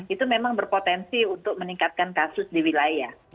itu memang berpotensi untuk meningkatkan kasus di wilayah